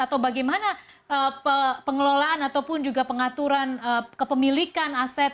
atau bagaimana pengelolaan ataupun juga pengaturan kepemilikan aset